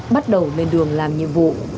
bắt đầu lên đường làm nhiệm vụ